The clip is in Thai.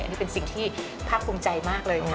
อันนี้เป็นสิ่งที่ภาคภูมิใจมากเลยนะ